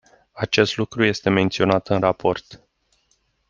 Acest lucru este menționat în raport.